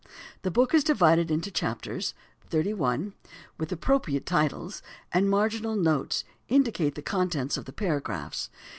The book is divided into chapters (XXXI), with appropriate titles, and marginal notes indicate the contents of paragraphs.